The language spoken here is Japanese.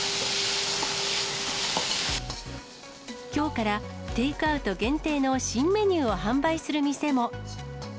きょうから、テイクアウト限定の新メニューを販売する店も。